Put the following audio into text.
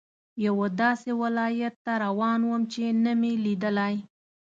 یوه داسې ولایت ته روان وم چې نه مې لیدلی.